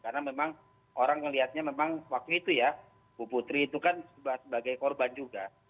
karena memang orang melihatnya memang waktu itu ya bu putri itu kan sebagai korban juga